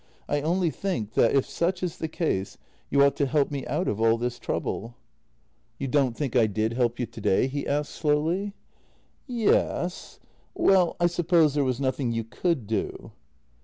I only think that, if such is the case, you ought to help me out of all this trouble." JENNY 152 " You don't think I did help you today? " he asked slowly. " Ye — s. Well, I suppose there was nothing you could do."